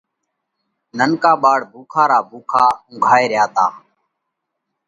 ننڪا ٻاۯ ڀُوکا را ڀُوکا اُنگھائي ريا تا۔